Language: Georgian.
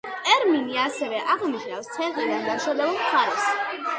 ტერმინი ასევე აღნიშნავს ცენტრიდან დაშორებულ მხარეს.